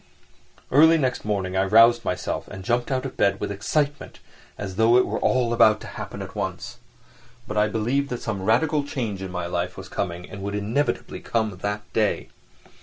Early next morning I roused myself and jumped out of bed with excitement, as though it were all about to happen at once. But I believed that some radical change in my life was coming, and would inevitably come that day.